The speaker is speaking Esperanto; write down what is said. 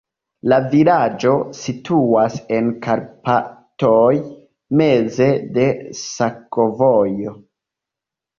La vilaĝo situas en Karpatoj, meze de sakovojo.